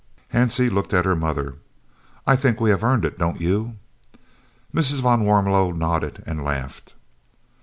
Hansie looked at her mother. "I think we have earned it don't you?" Mrs. van Warmelo nodded and laughed.